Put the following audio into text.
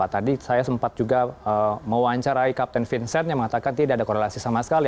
tadi saya sempat juga mewawancarai kapten vincent yang mengatakan tidak ada korelasi sama sekali